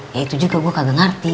ya itu juga gue kagak ngerti